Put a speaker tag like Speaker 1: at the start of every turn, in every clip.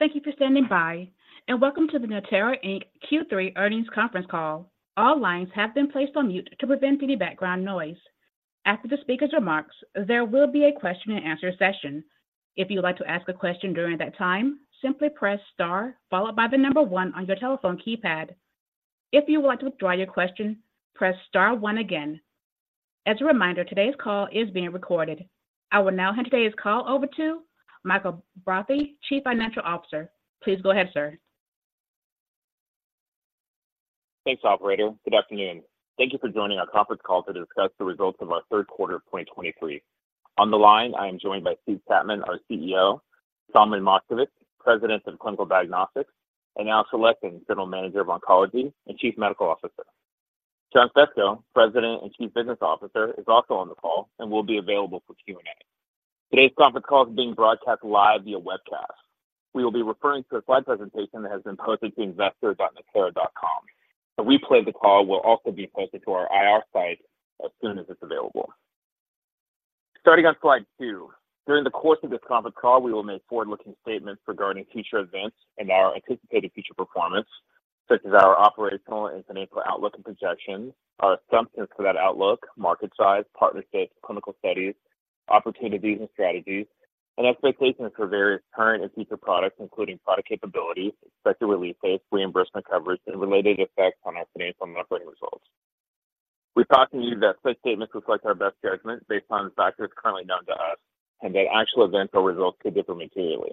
Speaker 1: Thank you for standing by, and welcome to the Natera, Inc. Q3 Earnings Conference Call. All lines have been placed on mute to prevent any background noise. After the speaker's remarks, there will be a question-and-answer session. If you'd like to ask a question during that time, simply press star followed by the number one on your telephone keypad. If you want to withdraw your question, press star one again. As a reminder, today's call is being recorded. I will now hand today's call over to Michael Brophy, Chief Financial Officer. Please go ahead, sir.
Speaker 2: Thanks, operator. Good afternoon. Thank you for joining our conference call to discuss the results of our third quarter of 2023. On the line, I am joined by Steve Chapman, our CEO, Solomon Moshkevich, President of Clinical Diagnostics, and Alexey Aleshin, General Manager of Oncology and Chief Medical Officer. John Fesko, President and Chief Business Officer, is also on the call and will be available for Q&A. Today's conference call is being broadcast live via webcast. We will be referring to a slide presentation that has been posted to investor.natera.com. A replay of the call will also be posted to our IR site as soon as it's available. Starting on slide two. During the course of this conference call, we will make forward-looking statements regarding future events and our anticipated future performance, such as our operational and financial outlook and projections, our assumptions for that outlook, market size, partnerships, clinical studies, opportunities and strategies, and expectations for various current and future products, including product capabilities, expected release dates, reimbursement coverage, and related effects on our financial and operating results. We caution you that such statements reflect our best judgment based on the factors currently known to us, and that actual events or results could differ materially.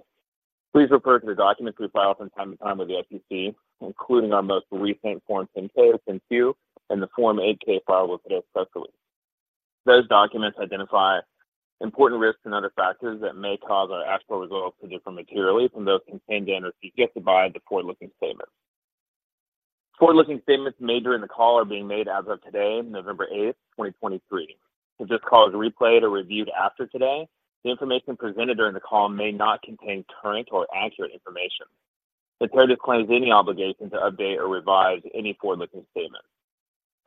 Speaker 2: Please refer to the documents we file from time to time with the SEC, including our most recent Form 10-K, Form 10-Q, and the Form 8-K filed with it, especially. Those documents identify important risks and other factors that may cause our actual results to differ materially from those contained in or suggested by the forward-looking statements. Forward-looking statements made during the call are being made as of today, November 8, 2023. If this call is replayed or reviewed after today, the information presented during the call may not contain current or accurate information. Natera disclaims any obligation to update or revise any forward-looking statements.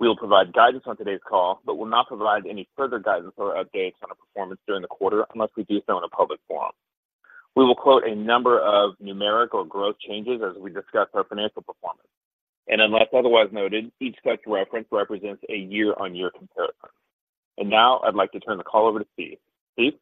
Speaker 2: We will provide guidance on today's call, but will not provide any further guidance or updates on our performance during the quarter unless we do so in a public forum. We will quote a number of numeric or growth changes as we discuss our financial performance, and unless otherwise noted, each such reference represents a year-on-year comparison. Now I'd like to turn the call over to Steve. Steve?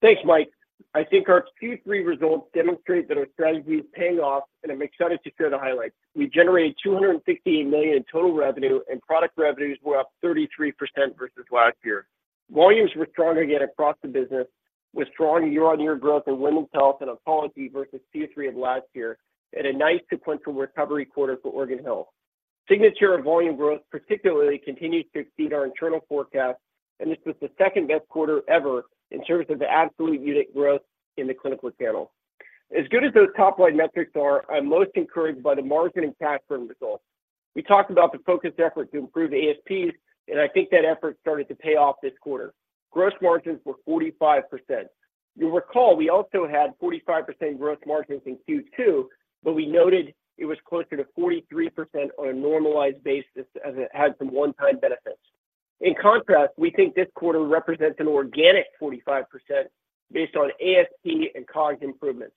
Speaker 3: Thanks, Mike. I think our Q3 results demonstrate that our strategy is paying off, and I'm excited to share the highlights. We generated $258 million in total revenue, and product revenues were up 33% versus last year. Volumes were stronger yet across the business, with strong year-on-year growth in women's health and oncology versus Q3 of last year, and a nice sequential recovery quarter for organ health. Signatera and volume growth, particularly, continued to exceed our internal forecasts, and this was the second best quarter ever in terms of the absolute unit growth in the clinical panel. As good as those top-line metrics are, I'm most encouraged by the margin and cash burn results. We talked about the focused effort to improve ASPs, and I think that effort started to pay off this quarter. Gross margins were 45%. You'll recall we also had 45% gross margins in Q2, but we noted it was closer to 43% on a normalized basis as it had some one-time benefits. In contrast, we think this quarter represents an organic 45% based on ASP and COGS improvements.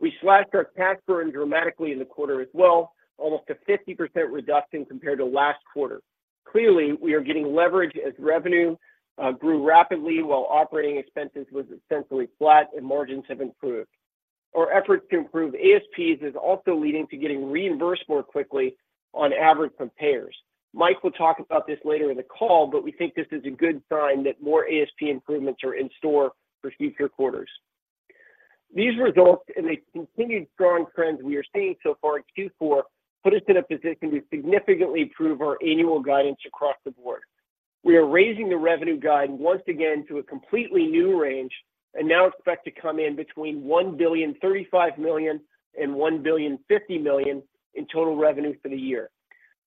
Speaker 3: We slashed our cash burn dramatically in the quarter as well, almost a 50% reduction compared to last quarter. Clearly, we are getting leverage as revenue grew rapidly while operating expenses was essentially flat and margins have improved. Our efforts to improve ASPs is also leading to getting reimbursed more quickly on average from payers. Mike will talk about this later in the call, but we think this is a good sign that more ASP improvements are in store for future quarters. These results and the continued strong trends we are seeing so far in Q4 put us in a position to significantly improve our annual guidance across the board. We are raising the revenue guide once again to a completely new range and now expect to come in between $1.035 billion and $1.05 billion in total revenue for the year.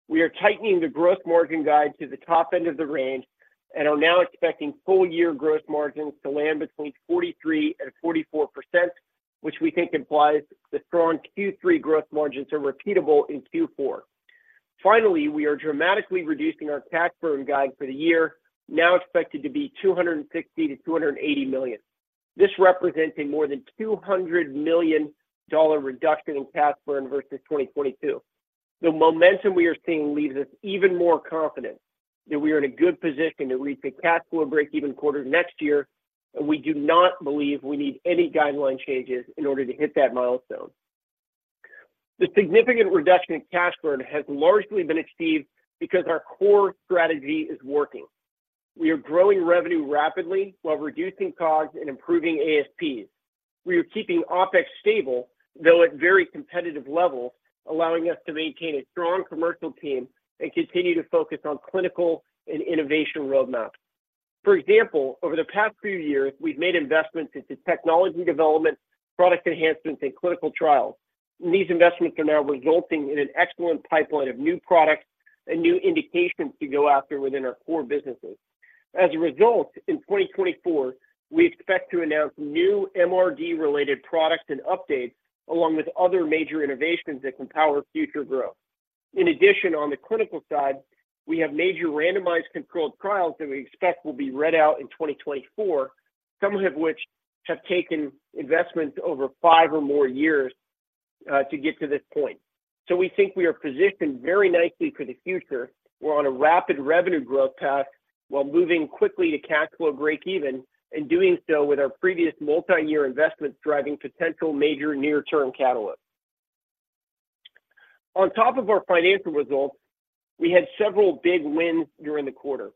Speaker 3: We are tightening the gross margin guide to the top end of the range and are now expecting full year gross margins to land between 43% and 44%, which we think implies the strong Q3 gross margins are repeatable in Q4. Finally, we are dramatically reducing our cash burn guide for the year, now expected to be $260 million-$280 million. This represents a more than $200 million reduction in cash burn versus 2022. The momentum we are seeing leaves us even more confident that we are in a good position to reach a cash flow break-even quarter next year, and we do not believe we need any guideline changes in order to hit that milestone. The significant reduction in cash burn has largely been achieved because our core strategy is working. We are growing revenue rapidly while reducing costs and improving ASPs. We are keeping OpEx stable, though at very competitive levels, allowing us to maintain a strong commercial team and continue to focus on clinical and innovation roadmaps. For example, over the past few years, we've made investments into technology development, product enhancements, and clinical trials. These investments are now resulting in an excellent pipeline of new products and new indications to go after within our core businesses. As a result, in 2024, we expect to announce new MRD-related products and updates, along with other major innovations that can power future growth.... In addition, on the clinical side, we have major randomized controlled trials that we expect will be read out in 2024, some of which have taken investments over five or more years, to get to this point. So we think we are positioned very nicely for the future. We're on a rapid revenue growth path while moving quickly to cash flow breakeven, and doing so with our previous multi-year investments, driving potential major near-term catalysts. On top of our financial results, we had several big wins during the quarter.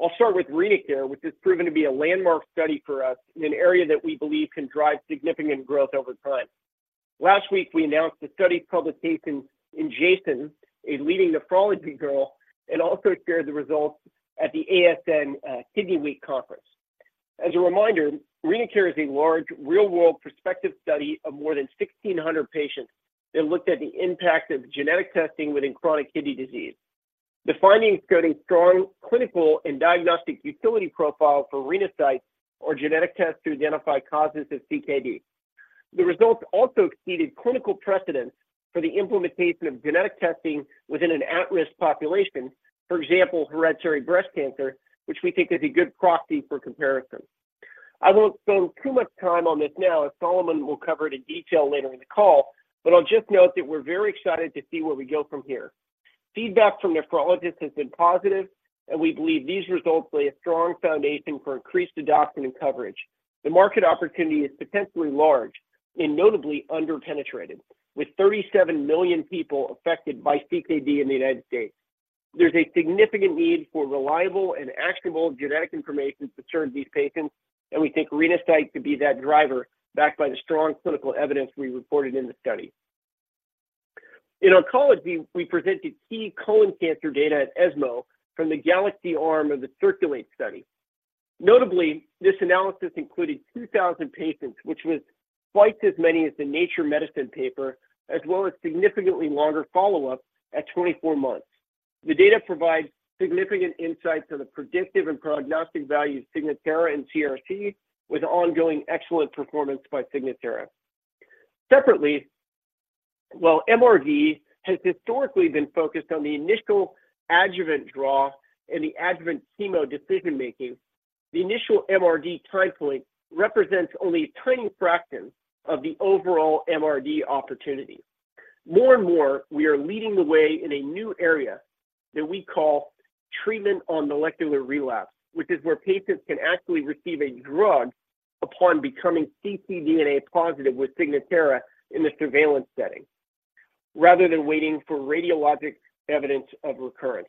Speaker 3: I'll start with RenaCare, which has proven to be a landmark study for us in an area that we believe can drive significant growth over time. Last week, we announced the study's publication in JASN, a leading nephrology journal, and also shared the results at the ASN Kidney Week conference. As a reminder, RenaCare is a large, real-world prospective study of more than 1,600 patients that looked at the impact of genetic testing within chronic kidney disease. The findings showed a strong clinical and diagnostic utility profile for Renasight or genetic tests to identify causes of CKD. The results also exceeded clinical precedence for the implementation of genetic testing within an at-risk population, for example, hereditary breast cancer, which we think is a good proxy for comparison. I won't spend too much time on this now, as Solomon will cover it in detail later in the call, but I'll just note that we're very excited to see where we go from here. Feedback from nephrologists has been positive, and we believe these results lay a strong foundation for increased adoption and coverage. The market opportunity is potentially large and notably underpenetrated, with 37 million people affected by CKD in the United States. There's a significant need for reliable and actionable genetic information to serve these patients, and we think Renasight could be that driver, backed by the strong clinical evidence we reported in the study. In oncology, we presented key colon cancer data at ESMO from the GALAXY arm of the CIRCULATE study. Notably, this analysis included 2,000 patients, which was twice as many as the Nature Medicine paper, as well as significantly longer follow-up at 24 months. The data provides significant insight to the predictive and prognostic value of Signatera and ctDNA, with ongoing excellent performance by Signatera. Separately, while MRD has historically been focused on the initial adjuvant draw and the adjuvant chemo decision-making, the initial MRD time point represents only a tiny fraction of the overall MRD opportunity. More and more, we are leading the way in a new area that we call treatment on molecular relapse, which is where patients can actually receive a drug upon becoming ctDNA positive with Signatera in a surveillance setting, rather than waiting for radiologic evidence of recurrence.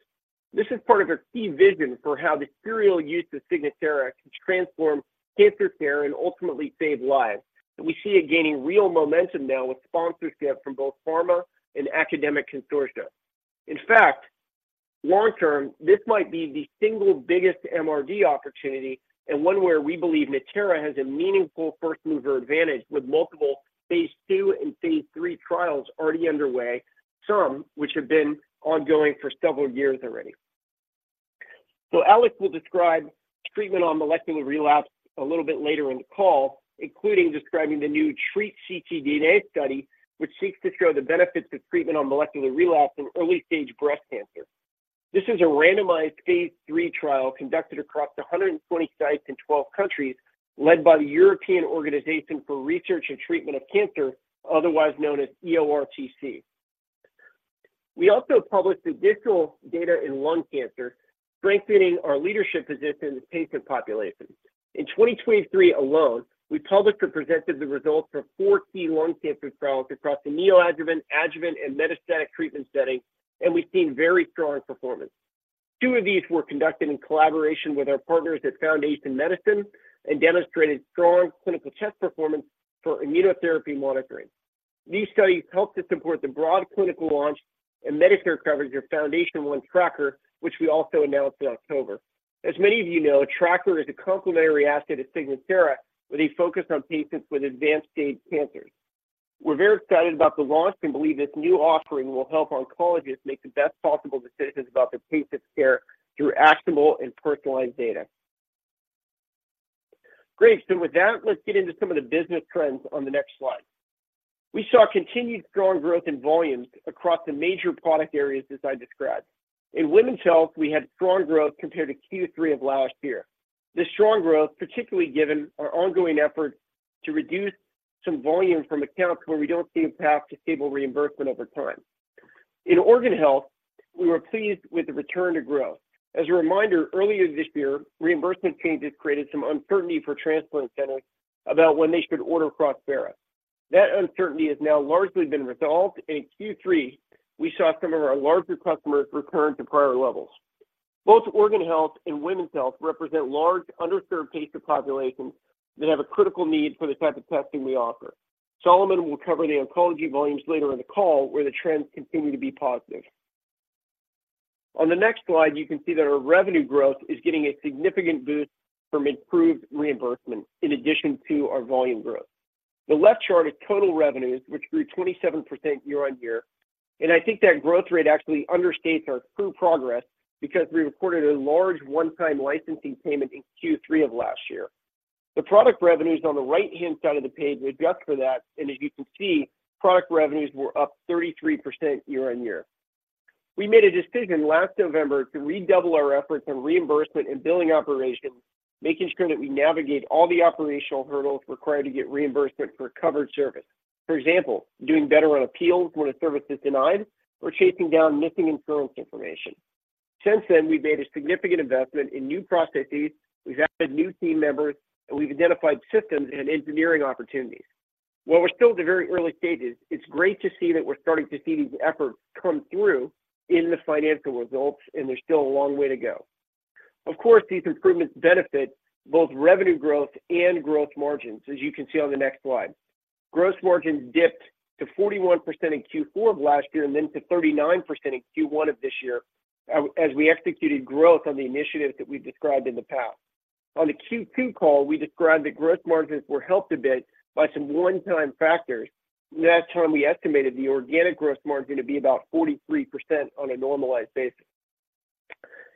Speaker 3: This is part of our key vision for how the serial use of Signatera can transform cancer care and ultimately save lives, and we see it gaining real momentum now with sponsorship from both pharma and academic consortia. In fact, long term, this might be the single biggest MRD opportunity and one where we believe Natera has a meaningful first-mover advantage with multiple phase II and phase III trials already underway, some which have been ongoing for several years already. Alex will describe treatment on molecular relapse a little bit later in the call, including describing the new TREAT-ctDNA study, which seeks to show the benefits of treatment on molecular relapse in early-stage breast cancer. This is a randomized phase III trial conducted across 120 sites in 12 countries, led by the European Organisation for Research and Treatment of Cancer, otherwise known as EORTC. We also published additional data in lung cancer, strengthening our leadership position in patient populations. In 2023 alone, we published or presented the results of four key lung cancer trials across the neoadjuvant, adjuvant, and metastatic treatment setting, and we've seen very strong performance. Two of these were conducted in collaboration with our partners at Foundation Medicine and demonstrated strong clinical test performance for immunotherapy monitoring. These studies helped to support the broad clinical launch and Medicare coverage of FoundationOne Tracker, which we also announced in October. As many of you know, Tracker is a complementary asset to Signatera, with a focus on patients with advanced-stage cancers. We're very excited about the launch and believe this new offering will help oncologists make the best possible decisions about their patients' care through actionable and personalized data. Great. So with that, let's get into some of the business trends on the next slide. We saw continued strong growth in volumes across the major product areas, as I described. In women's health, we had strong growth compared to Q3 of last year. This strong growth, particularly given our ongoing effort to reduce some volume from accounts where we don't see a path to stable reimbursement over time. In organ health, we were pleased with the return to growth. As a reminder, earlier this year, reimbursement changes created some uncertainty for transplant centers about when they should order Prospera. That uncertainty has now largely been resolved, and in Q3, we saw some of our larger customers return to prior levels. Both organ health and women's health represent large, underserved patient populations that have a critical need for the type of testing we offer. Solomon will cover the oncology volumes later in the call, where the trends continue to be positive. On the next slide, you can see that our revenue growth is getting a significant boost from improved reimbursement in addition to our volume growth. The left chart is total revenues, which grew 27% year-on-year, and I think that growth rate actually understates our true progress because we recorded a large one-time licensing payment in Q3 of last year. The product revenues on the right-hand side of the page adjust for that, and as you can see, product revenues were up 33% year-on-year. We made a decision last November to redouble our efforts on reimbursement and billing operations, making sure that we navigate all the operational hurdles required to get reimbursement for covered service. For example, doing better on appeals when a service is denied or chasing down missing insurance information. Since then, we've made a significant investment in new processes, we've added new team members, and we've identified systems and engineering opportunities. While we're still at the very early stages, it's great to see that we're starting to see these efforts come through in the financial results, and there's still a long way to go. Of course, these improvements benefit both revenue growth and gross margins, as you can see on the next slide. Gross margins dipped to 41% in Q4 of last year and then to 39% in Q1 of this year, as we executed growth on the initiatives that we've described in the past. On the Q2 call, we described that gross margins were helped a bit by some one-time factors, and at that time, we estimated the organic gross margin to be about 43% on a normalized basis.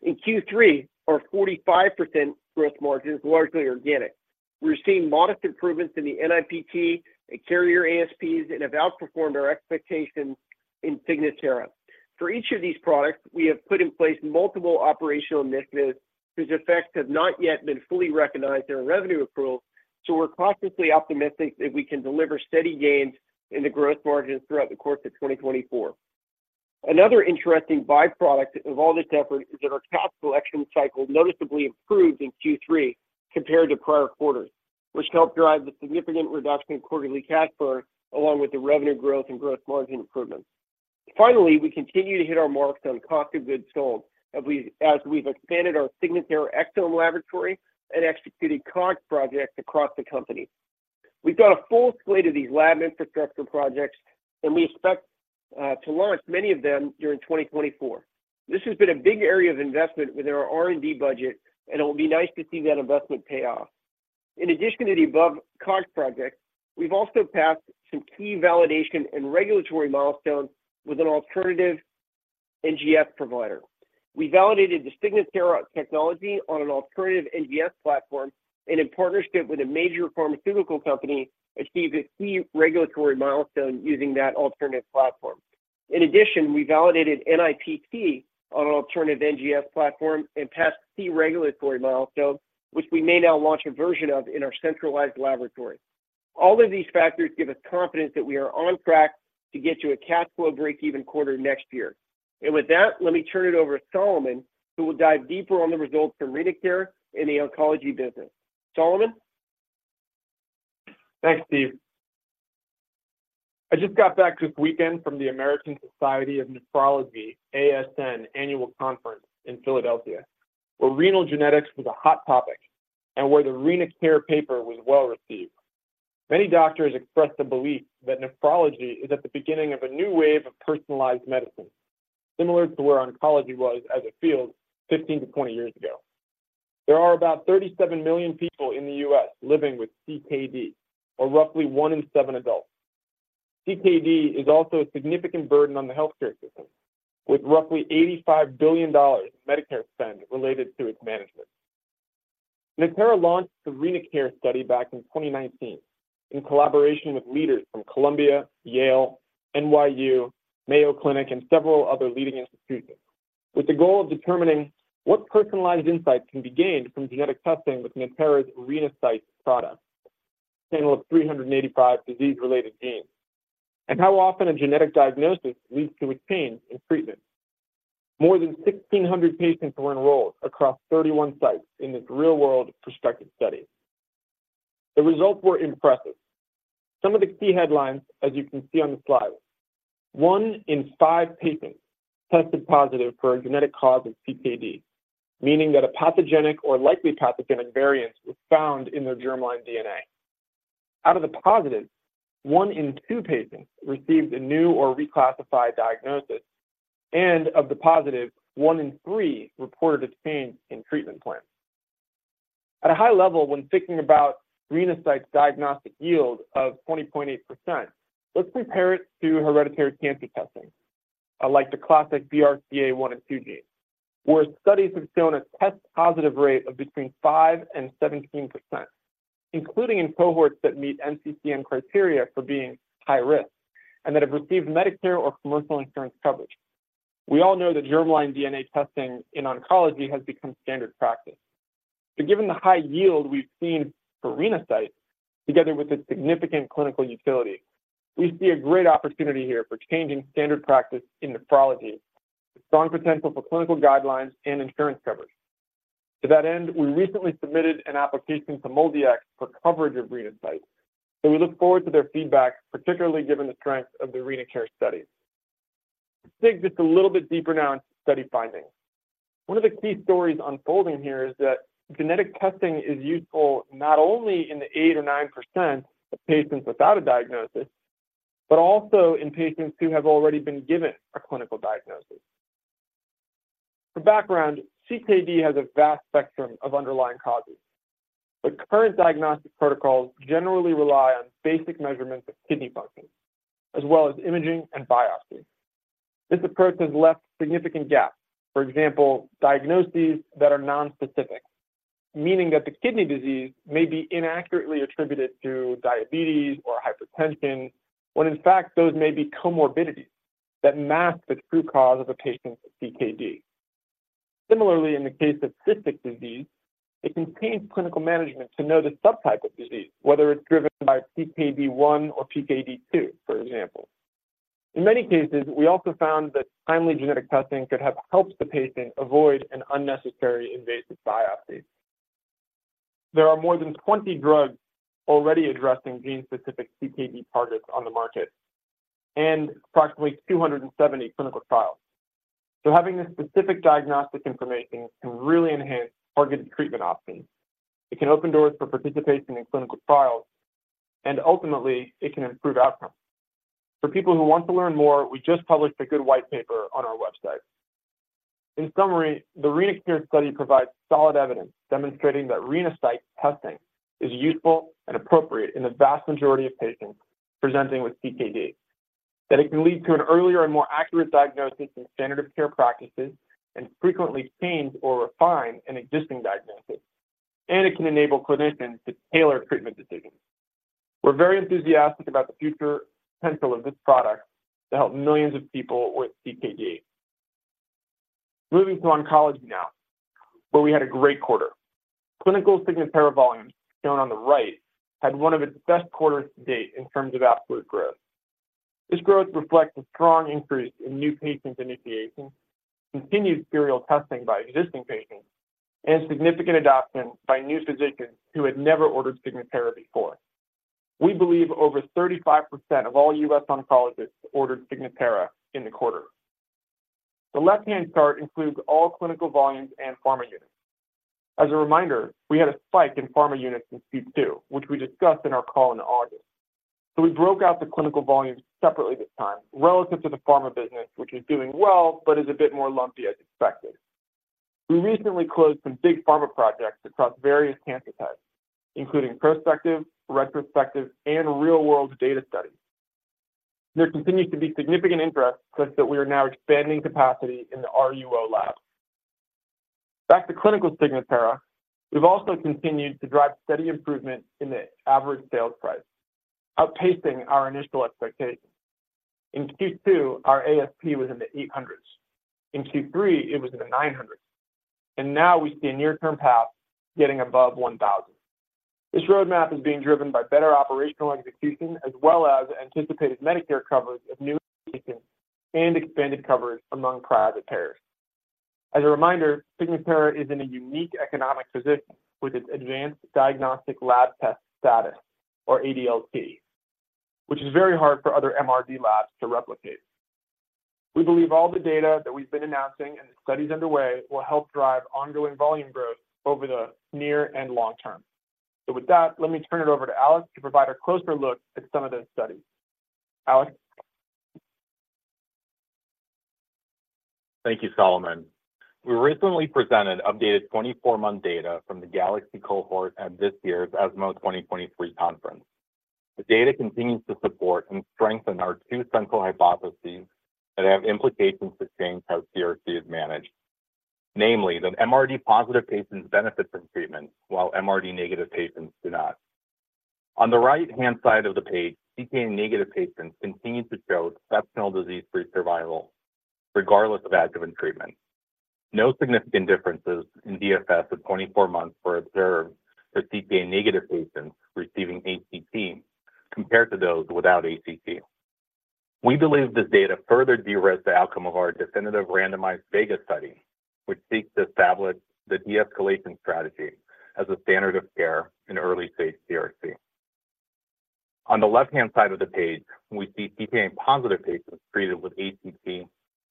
Speaker 3: In Q3, our 45% gross margin is largely organic. We're seeing modest improvements in the NIPT and carrier ASPs and have outperformed our expectations in Signatera. For each of these products, we have put in place multiple operational initiatives whose effects have not yet been fully recognized in our revenue approvals, so we're cautiously optimistic that we can deliver steady gains in the gross margins throughout the course of 2024. Another interesting byproduct of all this effort is that our cash collection cycle noticeably improved in Q3 compared to prior quarters, which helped drive the significant reduction in quarterly cash flow, along with the revenue growth and gross margin improvements. Finally, we continue to hit our marks on cost of goods sold, as we've expanded our Signatera exome laboratory and executed cost projects across the company. We've got a full slate of these lab infrastructure projects, and we expect to launch many of them during 2024. This has been a big area of investment with our R&D budget, and it will be nice to see that investment pay off. In addition to the above cost projects, we've also passed some key validation and regulatory milestones with an alternative NGS provider. We validated the Signatera technology on an alternative NGS platform and in partnership with a major pharmaceutical company, achieved a key regulatory milestone using that alternative platform. In addition, we validated NIPT on an alternative NGS platform and passed key regulatory milestone, which we may now launch a version of in our centralized laboratory. All of these factors give us confidence that we are on track to get to a cash flow breakeven quarter next year. With that, let me turn it over to Solomon, who will dive deeper on the results from RenaCare in the oncology business. Solomon?
Speaker 4: Thanks, Steve. I just got back this weekend from the American Society of Nephrology, ASN, annual conference in Philadelphia, where renal genetics was a hot topic and where the RenaCare paper was well received. Many doctors expressed the belief that nephrology is at the beginning of a new wave of personalized medicine, similar to where oncology was as a field 15-20 years ago. There are about 37 million people in the U.S. living with CKD, or roughly one in seven adults. CKD is also a significant burden on the healthcare system, with roughly $85 billion in Medicare spend related to its management. Natera launched the RenaCare study back in 2019, in collaboration with leaders from Columbia, Yale, NYU, Mayo Clinic, and several other leading institutions, with the goal of determining what personalized insights can be gained from genetic testing with Natera's Renasight product, a panel of 385 disease-related genes, and how often a genetic diagnosis leads to a change in treatment. More than 1,600 patients were enrolled across 31 sites in this real-world prospective study. The results were impressive. Some of the key headlines, as you can see on the slide, one in five patients tested positive for a genetic cause of CKD, meaning that a pathogenic or likely pathogenic variants were found in their germline DNA. Out of the positives, one in two patients received a new or reclassified diagnosis, and of the positive, one in three reported a change in treatment plan. At a high level, when thinking about Renasight's diagnostic yield of 20.8%, let's compare it to hereditary cancer testing, like the classic BRCA1 and BRCA2 gene, where studies have shown a test positive rate of between 5%-17%, including in cohorts that meet NCCN criteria for being high risk and that have received Medicare or commercial insurance coverage. We all know that germline DNA testing in oncology has become standard practice. So given the high yield we've seen for Renasight, together with its significant clinical utility, we see a great opportunity here for changing standard practice in nephrology, with strong potential for clinical guidelines and insurance coverage. To that end, we recently submitted an application to MolDX for coverage of Renasight, so we look forward to their feedback, particularly given the strength of the RenaCare study. Let's dig just a little bit deeper now into study findings. One of the key stories unfolding here is that genetic testing is useful not only in the 8% or 9% of patients without a diagnosis, but also in patients who have already been given a clinical diagnosis. For background, CKD has a vast spectrum of underlying causes, but current diagnostic protocols generally rely on basic measurements of kidney function, as well as imaging and biopsy.... This approach has left significant gaps. For example, diagnoses that are nonspecific, meaning that the kidney disease may be inaccurately attributed to diabetes or hypertension, when in fact, those may be comorbidities that mask the true cause of a patient's CKD. Similarly, in the case of cystic disease, it contains clinical management to know the subtype of disease, whether it's driven by PKD1 or PKD2, for example. In many cases, we also found that timely genetic testing could have helped the patient avoid an unnecessary invasive biopsy. There are more than 20 drugs already addressing gene-specific CKD targets on the market and approximately 270 clinical trials. So having this specific diagnostic information can really enhance targeted treatment options. It can open doors for participation in clinical trials, and ultimately, it can improve outcomes. For people who want to learn more, we just published a good white paper on our website. In summary, the RenaCare study provides solid evidence demonstrating that Renasight testing is useful and appropriate in the vast majority of patients presenting with CKD, that it can lead to an earlier and more accurate diagnosis than standard of care practices, and frequently change or refine an existing diagnosis, and it can enable clinicians to tailor treatment decisions. We're very enthusiastic about the future potential of this product to help millions of people with CKD. Moving to oncology now, where we had a great quarter. Clinical Signatera volumes, shown on the right, had one of its best quarters to date in terms of absolute growth. This growth reflects a strong increase in new patient initiation, continued serial testing by existing patients, and significant adoption by new physicians who had never ordered Signatera before. We believe over 35% of all U.S. oncologists ordered Signatera in the quarter. The left-hand chart includes all clinical volumes and pharma units. As a reminder, we had a spike in pharma units in Q2, which we discussed in our call in August. So we broke out the clinical volumes separately this time, relative to the pharma business, which is doing well but is a bit more lumpy as expected. We recently closed some big pharma projects across various cancer types, including prospective, retrospective, and real-world data studies. There continues to be significant interest, such that we are now expanding capacity in the RUO lab. Back to clinical Signatera, we've also continued to drive steady improvement in the average sales price, outpacing our initial expectations. In Q2, our ASP was in the $800s. In Q3, it was in the $900s, and now we see a near-term path getting above $1,000. This roadmap is being driven by better operational execution, as well as anticipated Medicare coverage of new patients and expanded coverage among private payers. As a reminder, Signatera is in a unique economic position with its advanced diagnostic lab test status, or ADLT, which is very hard for other MRD labs to replicate. We believe all the data that we've been announcing and the studies underway will help drive ongoing volume growth over the near and long term. So with that, let me turn it over to Alex to provide a closer look at some of those studies. Alex?
Speaker 5: Thank you, Solomon. We recently presented updated 24-month data from the Galaxy cohort at this year's ESMO 2023 conference. The data continues to support and strengthen our two central hypotheses that have implications to change how CRC is managed. Namely, that MRD positive patients benefit from treatment, while MRD negative patients do not. On the right-hand side of the page, ctDNA-negative patients continue to show exceptional disease-free survival regardless of adjuvant treatment. No significant differences in DFS at 24 months were observed for ctDNA-negative patients receiving ACT compared to those without ACT. We believe this data further de-risks the outcome of our definitive randomized VEGA study, which seeks to establish the de-escalation strategy as a standard of care in early-stage CRC. On the left-hand side of the page, we see ctDNA-positive patients treated with ACT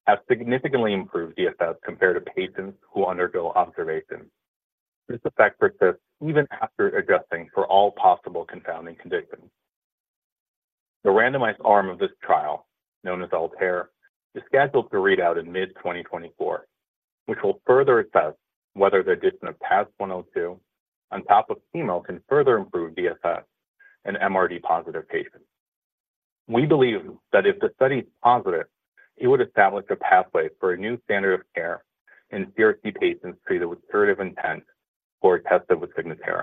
Speaker 5: have significantly improved DFS compared to patients who undergo observation. This effect persists even after adjusting for all possible confounding conditions. The randomized arm of this trial, known as ALTAIR, is scheduled to read out in mid-2024, which will further assess whether the addition of TAS-102 on top of chemo can further improve DFS in MRD positive patients. We believe that if the study is positive, it would establish a pathway for a new standard of care in CRC patients treated with curative intent or tested with Signatera.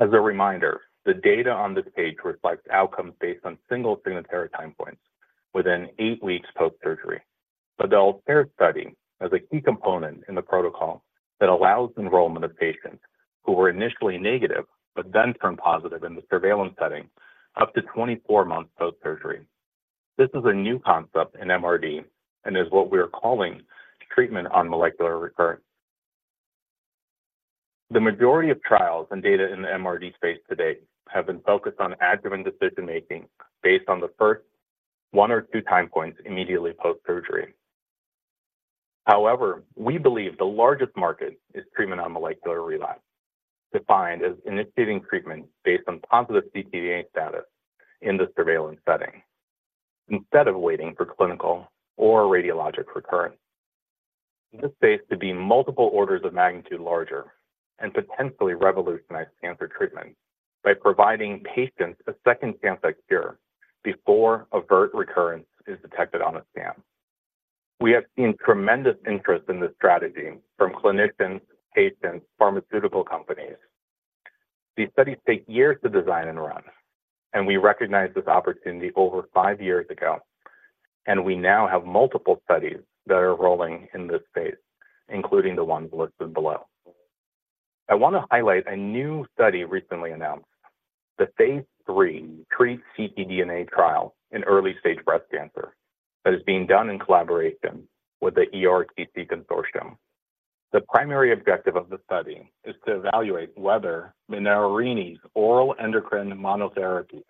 Speaker 5: As a reminder, the data on this page reflects outcomes based on single Signatera time points within eight weeks post-surgery. The ALTAIR study has a key component in the protocol that allows enrollment of patients who were initially negative but then turned positive in the surveillance setting, up to 24 months post-surgery. This is a new concept in MRD and is what we are calling treatment on molecular recurrence. The majority of trials and data in the MRD space to date have been focused on adjuvant decision-making based on the first one or two time points immediately post-surgery. However, we believe the largest market is treatment on molecular relapse, defined as initiating treatment based on positive ctDNA status in the surveillance setting, instead of waiting for clinical or radiologic recurrence. This space to be multiple orders of magnitude larger and potentially revolutionize cancer treatment by providing patients a second chance at cure before overt recurrence is detected on a scan. We have seen tremendous interest in this strategy from clinicians, patients, pharmaceutical companies. These studies take years to design and run, and we recognized this opportunity over 5 years ago, and we now have multiple studies that are rolling in this space, including the ones listed below. I want to highlight a new study recently announced, the Phase III TREAT-ctDNA trial in early-stage breast cancer, that is being done in collaboration with the EORTC Consortium. The primary objective of the study is to evaluate whether Menarini's oral endocrine monotherapy,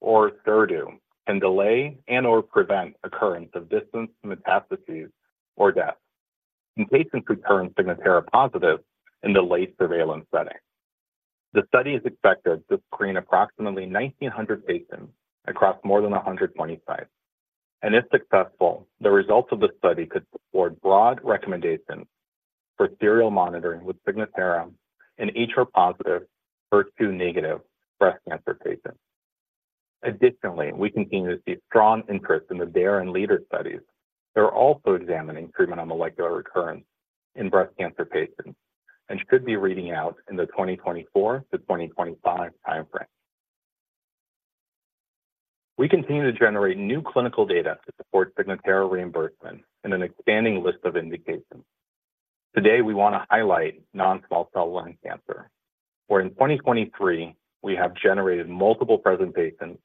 Speaker 5: or Orserdu, can delay and/or prevent occurrence of distant metastases or death in patients with current Signatera-positive in the late surveillance setting. The study is expected to screen approximately 1,900 patients across more than 120 sites, and if successful, the results of the study could support broad recommendations for serial monitoring with Signatera in HR-positive, HER2-negative breast cancer patients. Additionally, we continue to see strong interest in the DARE and LEADER studies that are also examining treatment on molecular recurrence in breast cancer patients and should be reading out in the 2024 to 2025 timeframe. We continue to generate new clinical data to support Signatera reimbursement in an expanding list of indications. Today, we want to highlight non-small cell lung cancer, where in 2023, we have generated multiple presentations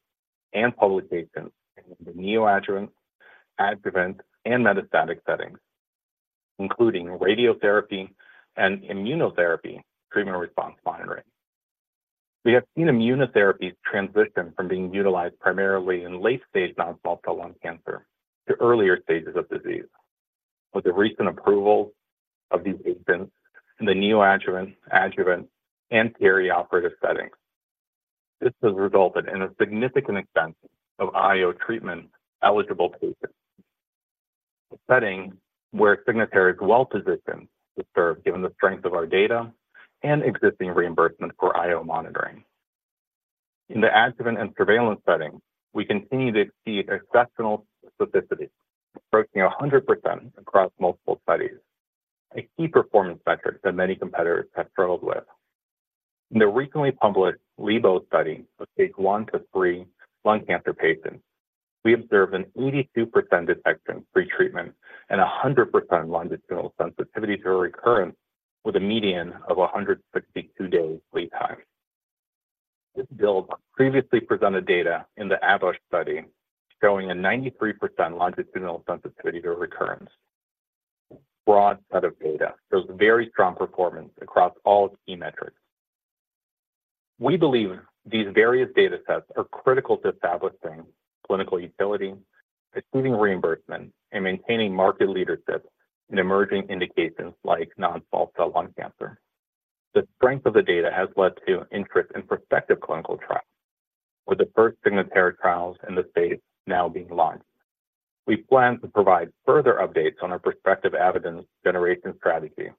Speaker 5: and publications in the neoadjuvant, adjuvant, and metastatic settings, including radiotherapy and immunotherapy treatment response monitoring. We have seen immunotherapies transition from being utilized primarily in late-stage non-small cell lung cancer to earlier stages of disease, with the recent approval of these agents in the neoadjuvant, adjuvant, and perioperative settings. This has resulted in a significant expansion of IO treatment-eligible patients, a setting where Signatera is well-positioned to serve, given the strength of our data and existing reimbursement for IO monitoring. In the adjuvant and surveillance setting, we continue to see exceptional specificity, approaching 100% across multiple studies, a key performance metric that many competitors have struggled with. In the recently published Libo study of stage one to three lung cancer patients, we observed an 82% detection pretreatment and a 100% longitudinal sensitivity to recurrence, with a median of 162 days lead time. This builds on previously presented data in the Abbosh study, showing a 93% longitudinal sensitivity to recurrence. Broad set of data shows very strong performance across all key metrics. We believe these various data sets are critical to establishing clinical utility, achieving reimbursement, and maintaining market leadership in emerging indications like non-small cell lung cancer. The strength of the data has led to interest in prospective clinical trials, with the first Signatera trials in the space now being launched. We plan to provide further updates on our prospective evidence generation strategy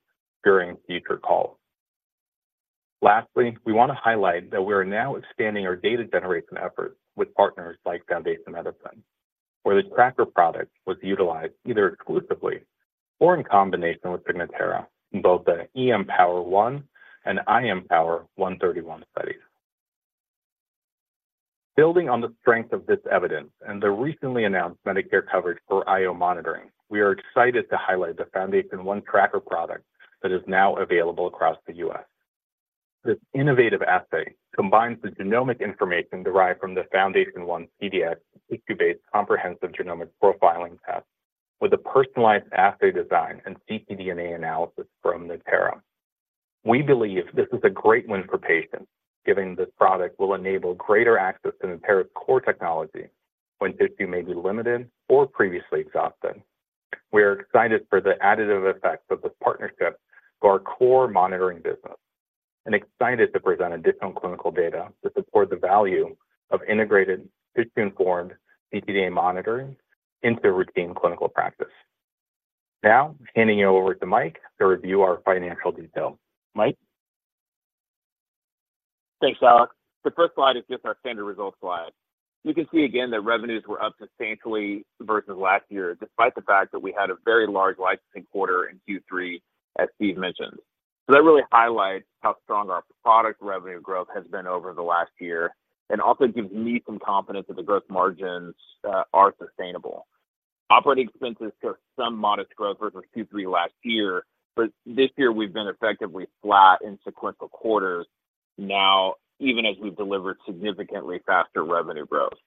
Speaker 5: during future calls. Lastly, we want to highlight that we are now expanding our data generation efforts with partners like Foundation Medicine, where the Tracker product was utilized either exclusively or in combination with Signatera in both the Empower-1 and IMpower131 studies. Building on the strength of this evidence and the recently announced Medicare coverage for IO monitoring, we are excited to highlight the FoundationOne Tracker product that is now available across the U.S. This innovative assay combines the genomic information derived from the FoundationOne CDx tissue-based comprehensive genomic profiling test with a personalized assay design and ctDNA analysis from Natera. We believe this is a great win for patients, given this product will enable greater access to Natera's core technology when tissue may be limited or previously exhausted. We are excited for the additive effects of this partnership to our core monitoring business and excited to present additional clinical data to support the value of integrated, tissue-informed ctDNA monitoring into routine clinical practice. Now, handing it over to Mike to review our financial details. Mike?
Speaker 2: Thanks, Alex. The first slide is just our standard results slide. You can see again that revenues were up substantially versus last year, despite the fact that we had a very large licensing quarter in Q3, as Steve mentioned. So that really highlights how strong our product revenue growth has been over the last year and also gives me some confidence that the gross margins are sustainable. Operating expenses saw some modest growth versus Q3 last year, but this year we've been effectively flat in sequential quarters now, even as we've delivered significantly faster revenue growth.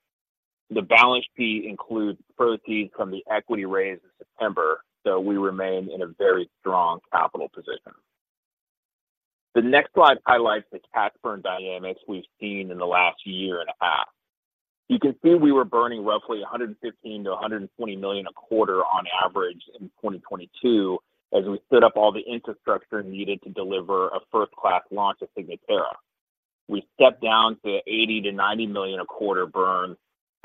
Speaker 2: The balance sheet includes proceeds from the equity raise in September, so we remain in a very strong capital position. The next slide highlights the cash burn dynamics we've seen in the last year and a half. You can see we were burning roughly $115 million-$120 million a quarter on average in 2022, as we stood up all the infrastructure needed to deliver a first-class launch of Signatera. We stepped down to $80 million-$90 million a quarter burn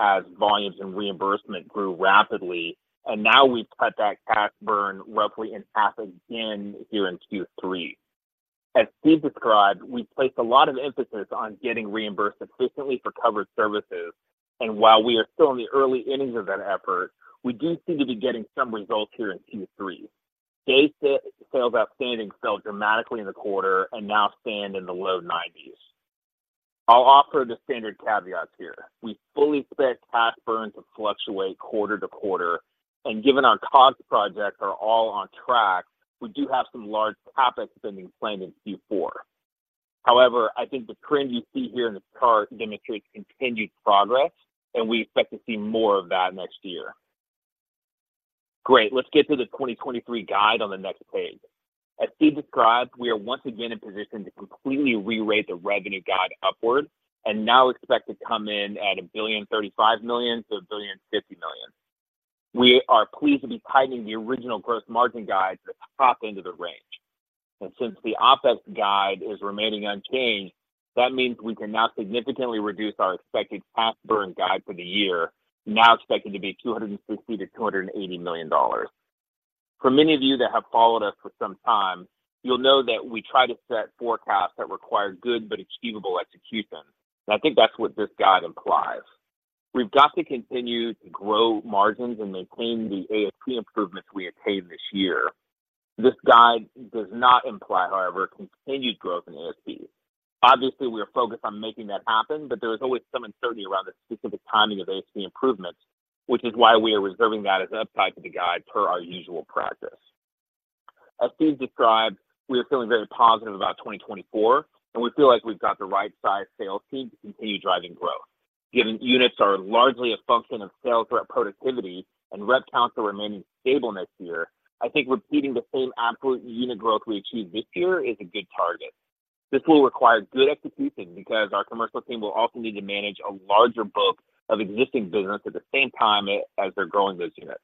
Speaker 2: as volumes and reimbursement grew rapidly, and now we've cut that cash burn roughly in half again here in Q3. As Steve described, we placed a lot of emphasis on getting reimbursed sufficiently for covered services, and while we are still in the early innings of that effort, we do seem to be getting some results here in Q3. Days sales outstanding fell dramatically in the quarter and now stand in the low 90s. I'll offer the standard caveats here. We fully expect cash burn to fluctuate quarter to quarter, and given our cost projects are all on track, we do have some large CapEx spending planned in Q4. However, I think the trend you see here in this chart demonstrates continued progress, and we expect to see more of that next year. Great, let's get to the 2023 guide on the next page. As Steve described, we are once again in position to completely rerate the revenue guide upward and now expect to come in at $1.035 billion-$1.05 billion. We are pleased to be tightening the original gross margin guide to the top end of the range. Since the OpEx guide is remaining unchanged, that means we can now significantly reduce our expected cash burn guide for the year, now expected to be $260 million-$280 million. For many of you that have followed us for some time, you'll know that we try to set forecasts that require good but achievable execution, and I think that's what this guide implies. We've got to continue to grow margins and maintain the ASP improvements we attained this year. This guide does not imply, however, continued growth in ASP. Obviously, we are focused on making that happen, but there is always some uncertainty around the specific timing of ASP improvements, which is why we are reserving that as upside to the guide per our usual practice. As Steve described, we are feeling very positive about 2024, and we feel like we've got the right size sales team to continue driving growth. Given units are largely a function of sales rep productivity and rep counts are remaining stable next year, I think repeating the same absolute unit growth we achieved this year is a good target. This will require good execution because our commercial team will also need to manage a larger book of existing business at the same time as they're growing those units.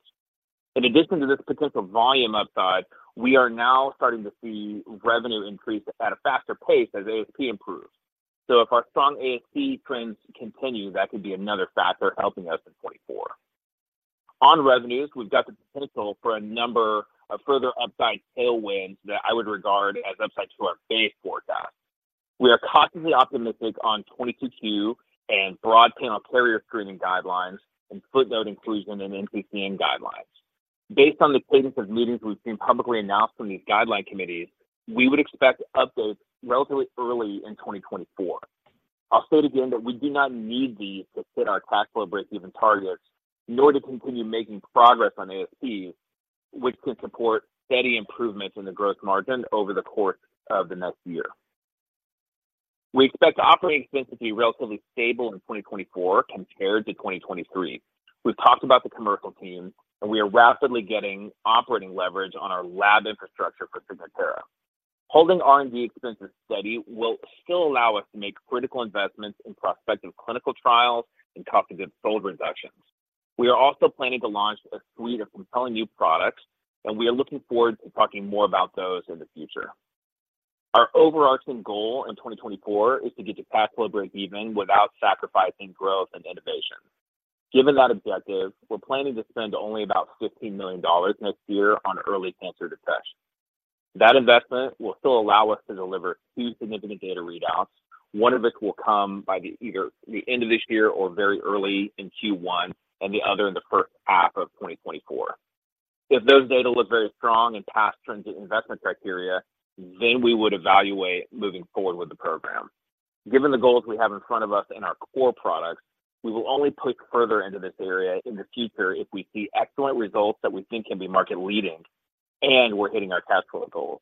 Speaker 2: In addition to this potential volume upside, we are now starting to see revenue increase at a faster pace as ASP improves. So if our strong ASP trends continue, that could be another factor helping us in 2024. On revenues, we've got the potential for a number of further upside tailwinds that I would regard as upside to our base forecast. We are cautiously optimistic on 22q and broad panel carrier screening guidelines and footnote inclusion in NCCN guidelines. Based on the cadence of meetings we've seen publicly announced from these guideline committees, we would expect updates relatively early in 2024. I'll say it again, that we do not need these to hit our cash flow breakeven targets, nor to continue making progress on ASP, which could support steady improvements in the gross margin over the course of the next year. We expect operating expenses to be relatively stable in 2024 compared to 2023. We've talked about the commercial team, and we are rapidly getting operating leverage on our lab infrastructure for Signatera. Holding R&D expenses steady will still allow us to make critical investments in prospective clinical trials and cost of goods reductions. We are also planning to launch a suite of compelling new products, and we are looking forward to talking more about those in the future. Our overarching goal in 2024 is to get to cash flow breakeven without sacrificing growth and innovation. Given that objective, we're planning to spend only about $15 million next year on early cancer detection. That investment will still allow us to deliver two significant data readouts. One of which will come by either the end of this year or very early in Q1, and the other in the first half of 2024. If those data look very strong and pass trends investment criteria, then we would evaluate moving forward with the program. Given the goals we have in front of us in our core products, we will only push further into this area in the future if we see excellent results that we think can be market-leading, and we're hitting our cash flow goals.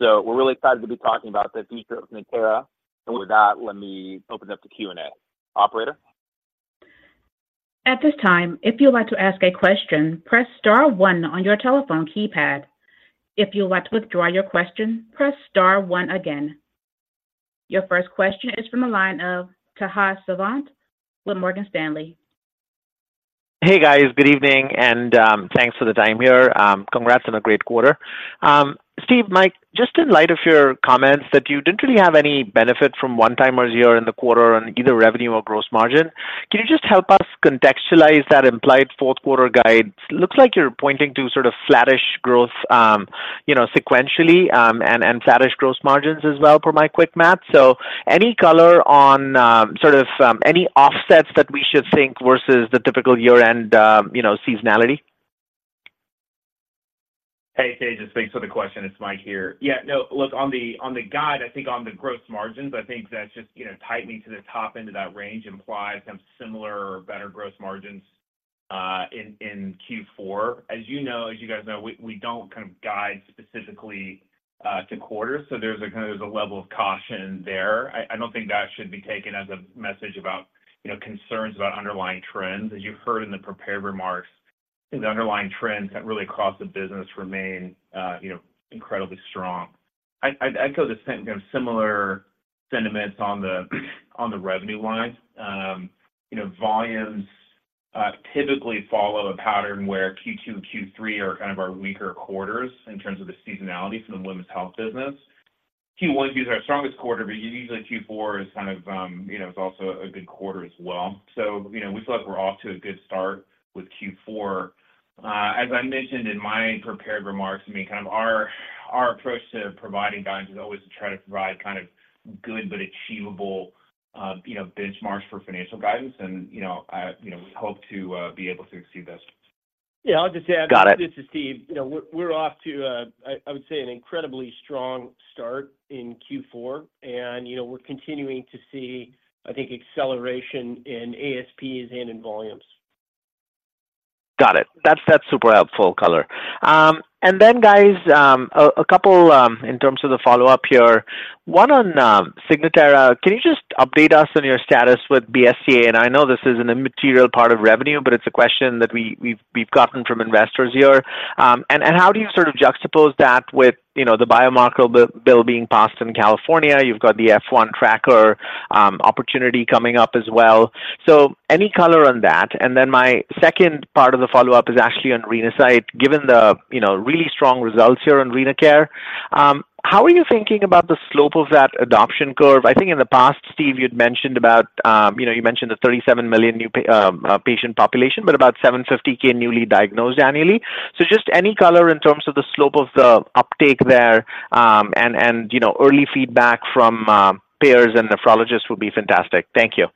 Speaker 2: So we're really excited to be talking about the future of Natera, and with that, let me open it up to Q&A. Operator?
Speaker 1: At this time, if you'd like to ask a question, press star one on your telephone keypad. If you'd like to withdraw your question, press star one again. Your first question is from the line of Tejas Savant with Morgan Stanley.
Speaker 6: Hey, guys. Good evening, and thanks for the time here. Congrats on a great quarter. Steve, Mike, just in light of your comments that you didn't really have any benefit from one-timers year in the quarter on either revenue or gross margin, can you just help us contextualize that implied fourth quarter guide? Looks like you're pointing to sort of flattish growth, you know, sequentially, and flattish gross margins as well, per my quick math. So any color on sort of any offsets that we should think versus the typical year-end, you know, seasonality?
Speaker 2: Hey, Tejas, thanks for the question. It's Mike here. Yeah, no, look, on the, on the guide, I think on the gross margins, I think that's just, you know, tightening to the top end of that range implies some similar or better gross margins in Q4. As you know, as you guys know, we, we don't kind of guide specifically to quarters, so there's a kind of, there's a level of caution there. I don't think that should be taken as a message about, you know, concerns about underlying trends. As you heard in the prepared remarks, the underlying trends that really across the business remain, you know, incredibly strong. I'd go the same, you know, similar sentiments on the, on the revenue line. You know, volumes-... typically follow a pattern where Q2, Q3 are kind of our weaker quarters in terms of the seasonality for the women's health business. Q1 is our strongest quarter, but usually Q4 is kind of, you know, is also a good quarter as well. So, you know, we feel like we're off to a good start with Q4. As I mentioned in my prepared remarks, I mean, kind of our, our approach to providing guidance is always to try to provide kind of good but achievable, you know, benchmarks for financial guidance. And, you know, I, you know, we hope to be able to exceed this.
Speaker 3: Yeah, I'll just add-
Speaker 6: Got it.
Speaker 3: This is Steve. You know, we're off to a, I would say, an incredibly strong start in Q4. You know, we're continuing to see, I think, acceleration in ASPs and in volumes.
Speaker 6: Got it. That's, that's super helpful color. And then guys, a couple, in terms of the follow-up here, one on Signatera. Can you just update us on your status with BSCA? And I know this is an immaterial part of revenue, but it's a question that we've gotten from investors here. And how do you sort of juxtapose that with, you know, the biomarker bill being passed in California? You've got the F1 tracker opportunity coming up as well. So any color on that? And then my second part of the follow-up is actually on Renasight. Given the, you know, really strong results here on RenaCare, how are you thinking about the slope of that adoption curve? I think in the past, Steve, you'd mentioned about, you know, you mentioned the 37 million new patient population, but about 750K newly diagnosed annually. So just any color in terms of the slope of the uptake there, and, and, you know, early feedback from, payers and nephrologists would be fantastic. Thank you.